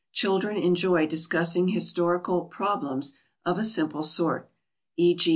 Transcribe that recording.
Children enjoy discussing historical "problems" of a simple sort: e. g.